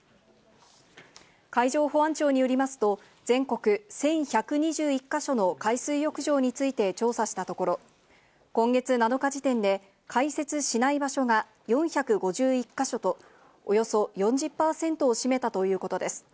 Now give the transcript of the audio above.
海上保安庁によりますと、全国１１２１か所の海水浴場について調査したところ、今月７日時点で開設しない場所が４５１か所と、およそ４０％を占めたということです。